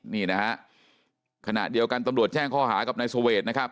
นี่นะฮะขณะเดียวกันตำรวจแจ้งข้อหากับนายสเวทนะครับ